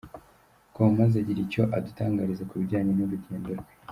com maze agira icyo adutangariza kubijyanye n’urugendo rwe.